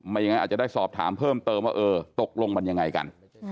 ยังไงอาจจะได้สอบถามเพิ่มเติมว่าเออตกลงมันยังไงกัน